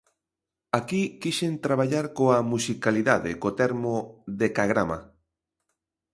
Aquí quixen traballar coa musicalidade, co termo decagrama.